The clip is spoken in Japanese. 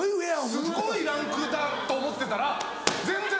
すごいランクだと思ってたら全然。